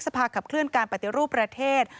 ภาคับเคลื่อนการปฏิรูปประเทศ